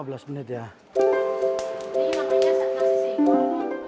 ini namanya setengah sisi